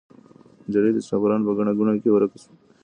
نجلۍ د مسافرانو په ګڼه ګوڼه کې ورکه شوه.